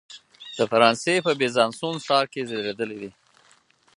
د فرانسې په بیزانسوون ښار کې زیږېدلی دی.